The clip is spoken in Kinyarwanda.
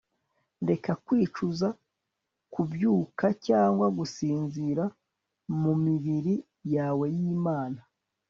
Reka kwicuza kubyuka cyangwa gusinzira mumibiri yawe yimana